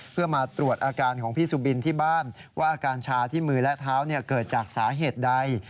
เพื่อมาตรวจอาการของพี่สุบินที่บ้านว่าอาการชาที่มือและเท้าเกิดจากสาเหตุใด